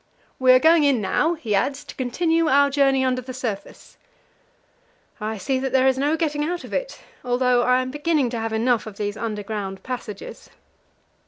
"We are going in now," he adds, "to continue our journey under the surface." I see that there is no getting out of it, although I am beginning to have enough of these underground passages.